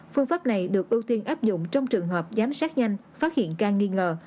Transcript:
phương pháp này được ưu tiên áp dụng trong trường hợp giám sát nhanh phát hiện ca nghi ngờ